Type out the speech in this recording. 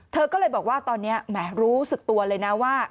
เธอก็เลยบอกว่าตอนนี้แหมรู้สึกตัวเลยนะว่า